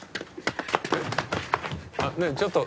えっ？あっねえちょっと！